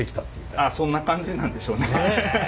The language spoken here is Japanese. ああそんな感じなんでしょうね。